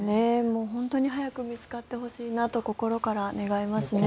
もう本当に早く見つかってほしいなと心から願いますね。